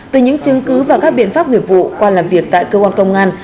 từ những chứng cứ và các biện pháp nghiệp vụ qua làm việc tại cơ quan công an